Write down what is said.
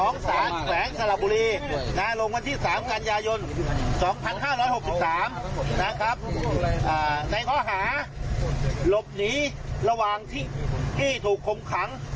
ในข้อหาหลบหนีระหว่างที่ถูกคมขัง